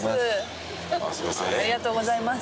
ありがとうございます。